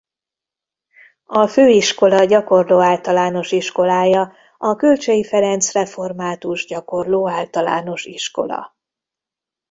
A főiskola gyakorló-általános iskolája a Kölcsey Ferenc Református Gyakorló Általános Iskola.